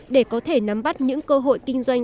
để có thể nắm bắt những cơ hội kinh doanh